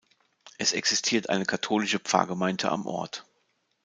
Es existiert eine katholische Pfarrgemeinde am Ort.